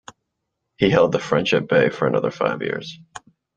He held the French at bay for another five years.